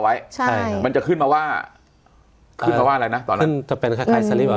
ไว้ใช่มันจะขึ้นมาว่าขึ้นมาว่าอะไรนะตอนนั้นขึ้นจะเป็นคล้ายใครสลิปอ่ะ